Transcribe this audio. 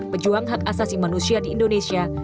pejuang hak asasi manusia di indonesia